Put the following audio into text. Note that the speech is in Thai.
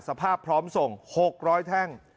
สภาพพร้อมส่ง๖๐๐แท่ง